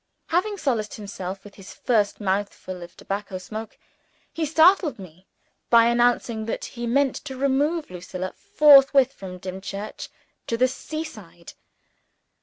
Having solaced himself with his first mouthful of tobacco smoke, he startled me by announcing that he meant to remove Lucilla forthwith from Dimchurch to the sea side.